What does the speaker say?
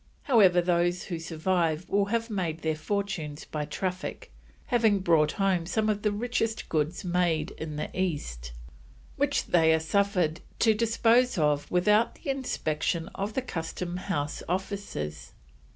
However, those who survive will have made their fortunes by traffic, having brought home some of the richest goods made in the east, which they are suffered to dispose of without the inspection of the Custom House officers.